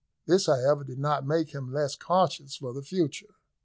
This, however, did not make him less cautious for the future.